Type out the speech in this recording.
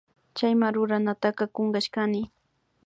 Chayma ruranataka kunkashkani